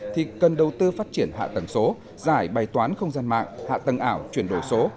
thì cần đầu tư phát triển hạ tầng số giải bài toán không gian mạng hạ tầng ảo chuyển đổi số